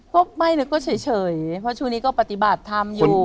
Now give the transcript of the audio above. ก็ไม่นะก็เฉยเพราะช่วงนี้ก็ปฏิบัติธรรมอยู่